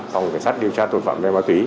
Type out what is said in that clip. phòng kiểm soát điều tra tội phạm ma túy